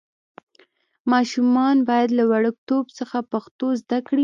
ماشومان باید له وړکتوب څخه پښتو زده کړي.